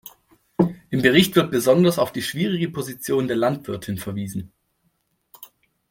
Im Bericht wird besonders auf die schwierige Position der Landwirtin verwiesen.